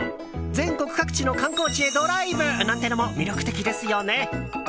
全国各地の観光地へドライブなんてのも魅力的ですよね。